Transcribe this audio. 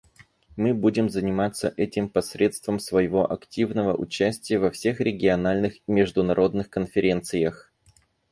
Мы будем заниматься этим посредством своего активного участия во всех региональных и международных конференциях.